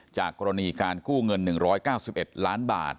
จากกรณีการกู้เงิน๑๙๑ล้านบาท